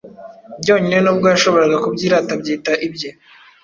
byonyine nubwo yashoboraga kubyirata abyita ibye.